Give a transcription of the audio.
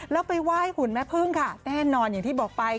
แล้วไปไหว้หุ่นแม่พึ่งค่ะแน่นอนอย่างที่บอกไป